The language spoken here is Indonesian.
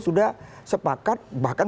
sudah sepakat bahkan